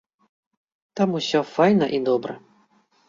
Там ўсё файна і добра.